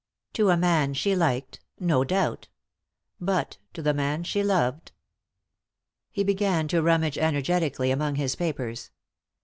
To a man she liked, no doubt — but to the man she loved ? He began to rummage energetically among his papers.